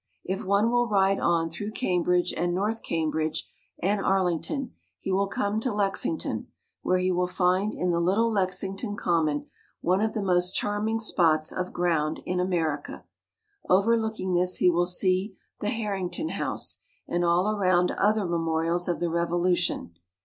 If one will ride on through Cambridge and North Cambridge and Ar lington, he will come to Lexington, where he will find in the little Lexington Common one of the most charming spots of ground in America. Overlooking this he will see the Harrington House, and all around other memorials of the Revolution.